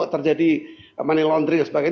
terjadi money laundry dan sebagainya